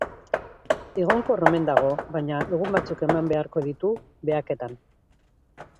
Egonkor omen dago, baina egun batzuk eman beharko ditu behaketan.